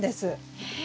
へえ！